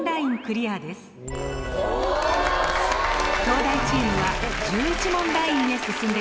東大チームは１１問ラインへ進んでください。